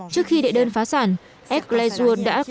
trước khi đệ đơn phá sản egliseur đã có nhiều lợi ích